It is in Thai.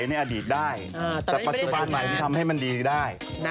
ในอดีตได้แต่ปัจจุบันใหม่ทำให้มันดีได้